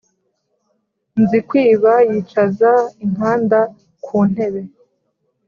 Nzikwiba yicaza inkanda ku ntebe